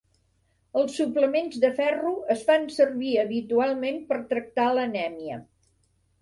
Els suplements de ferro es fan servir habitualment per a tractar l'anèmia.